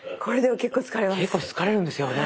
結構疲れるんですよね。